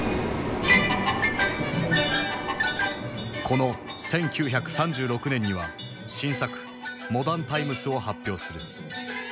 この１９３６年には新作「モダン・タイムス」を発表する。